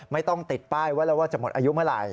ไม่ต้องติดป้ายไว้แล้วว่าจะหมดอายุเมื่อไหร่